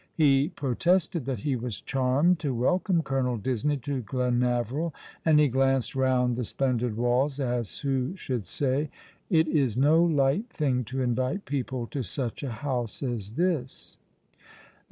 He protested that he was charmed to welcome Colonel Disney to Glenaveril, and he glanced round the splendid walls as who should say, " It is no light thing to invite people to such a house as this."